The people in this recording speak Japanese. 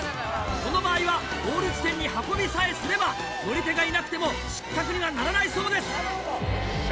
この場合はゴール地点に運びさえすれば乗り手がいなくても失格にはならないそうです。